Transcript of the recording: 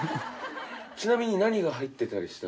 ちなみに。